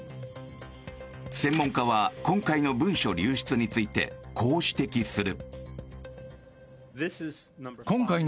専門家は今回の文書流出についてこう指摘する。